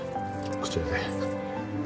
こちらで。